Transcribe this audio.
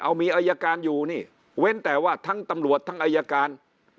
เอามีอายการอยู่นี่เว้นแต่ว่าทั้งตำรวจทั้งอายการ